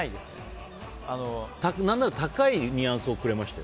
何なら高いニュアンスをくれましたよ。